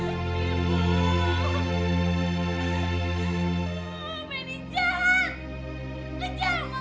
jangan tau aku disini